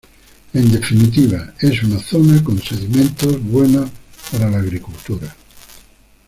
En definitiva, es una zona con sedimentos buena para la agricultura.